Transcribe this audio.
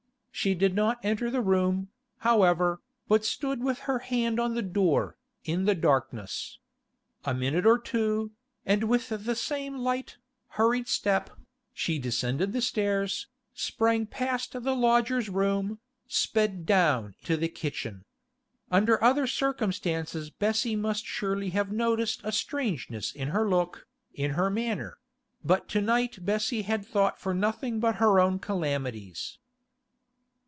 She did not enter the room, however, but stood with her hand on the door, in the darkness. A minute or two, and with the same light, hurried step, she descended the stairs, sprang past the lodger's room, sped down to the kitchen. Under other circumstances Bessie must surely have noticed a strangeness in her look, in her manner; but to night Bessie had thought for nothing but her own calamities.